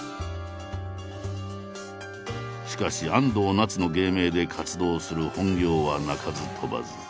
しかし「安藤なつ」の芸名で活動する本業は泣かず飛ばず。